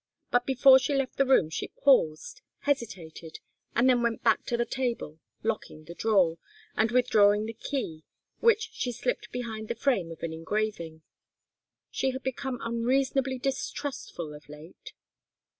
But before she left the room she paused, hesitated, and then went back to the table, locking the drawer and withdrawing the key, which she slipped behind the frame of an engraving. She had become unreasonably distrustful of late.